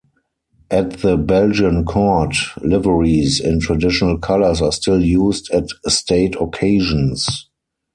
At the Belgian court liveries in traditional colours are still used at state occasions.